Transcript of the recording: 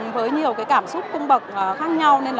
với nhiều cảm xúc cung bậc khác nhau